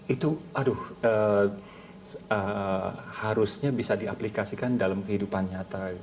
itu aduh harusnya bisa diaplikasikan dalam kehidupan nyata